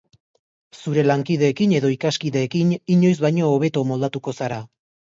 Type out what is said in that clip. Zure lankideekin edo ikaskideekin inoiz baino hobeto moldatuko zara.